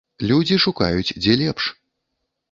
Людзі шукаюць, дзе лепш.